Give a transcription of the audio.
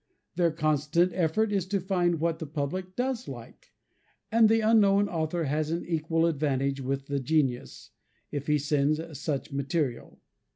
Their constant effort is to find what that public does like, and the unknown author has an equal advantage with the genius, if he sends such material.